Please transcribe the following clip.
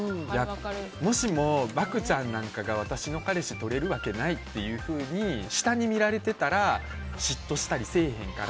もしも、漠ちゃんなんかが私の彼氏とれるわけないって下に見られてたら嫉妬したりせえへんから。